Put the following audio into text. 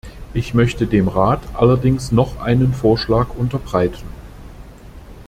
Ich möchte dem Rat allerdings noch einen Vorschlag unterbreiten.